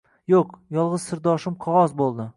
Yo`q, yolg`iz sirdoshim qog`oz bo`ldi